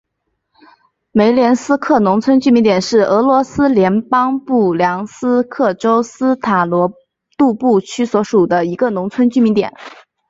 梅连斯克农村居民点是俄罗斯联邦布良斯克州斯塔罗杜布区所属的一个农村居民点。